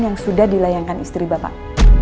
yang sudah dilayangkan istri bapak